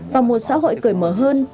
và một xã hội cởi mở hơn